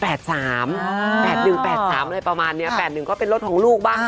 ๑๘๓อะไรประมาณนี้๘๑ก็เป็นรถของลูกบ้าง